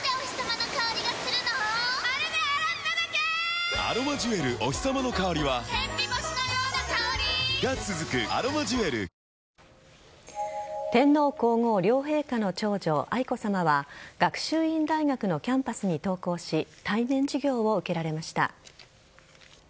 韓国の環境省は全国のほとんどの地域に天皇皇后両陛下の長女愛子さまは学習院大学のキャンパスに登校し対面授業を受けられました。